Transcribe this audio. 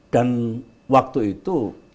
dan waktu itu